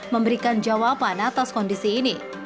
memberikan jawaban atas kondisi ini